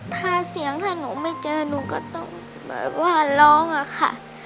ถ้าเสียงถ้าหนูไม่เจอหนูก็ต้องแบบว่าร้องอะค่ะ